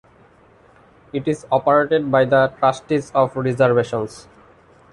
It is operated by The Trustees of Reservations.